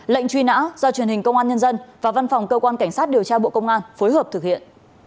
lệnh truy nã do truyền hình công an nhân dân và văn phòng cơ quan cảnh sát điều tra bộ công an phối hợp thực hiện